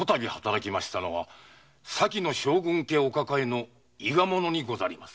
それは先の将軍家お抱えの伊賀者にござります。